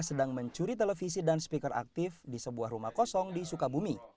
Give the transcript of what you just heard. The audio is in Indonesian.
sedang mencuri televisi dan speaker aktif di sebuah rumah kosong di sukabumi